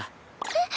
えっ？